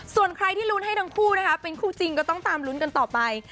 ส่วนใครที่ลุ้นให้ทั้งคู่นะคะเป็นคู่จริงก็ต้องตามลุ้นกันต่อไป